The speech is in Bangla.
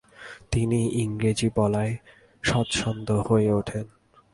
তিনি ইংরেজি বলায় স্বচ্ছন্দ হয়ে ওঠেন।